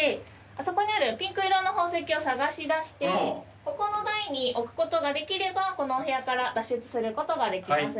あそこにあるピンク色の宝石を探し出してここの台に置くことができればこのお部屋から脱出することができます。